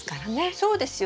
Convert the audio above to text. そうですよ。